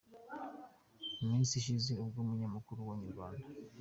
Mu minsi ishize ubwo umunyamakuru wa Inyarwanda.